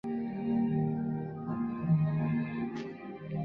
中华光尾鲨为猫鲨科光尾鲨属的鱼类。